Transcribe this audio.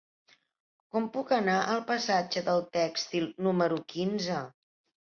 Com puc anar al passatge del Tèxtil número quinze?